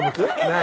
何？